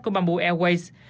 của bambu airways